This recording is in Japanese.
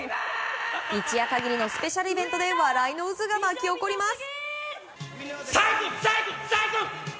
一夜限りのスペシャルイベントで笑いの渦が巻き起こります。